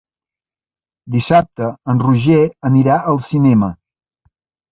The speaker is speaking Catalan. Dissabte en Roger anirà al cinema.